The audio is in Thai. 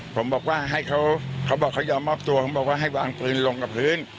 ผมบอกว่าให้เขาเขาบอกเขายอมมอบตัวเขาบอกว่าให้วางปืนลงกับพื้น